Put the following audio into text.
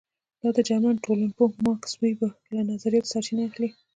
دا د جرمن ټولنپوه ماکس وېبر له نظریاتو سرچینه اخلي.